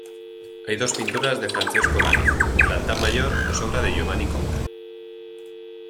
Hay dos pinturas de Francesco Vanni, el altar mayor es obra de Giovanni Conca.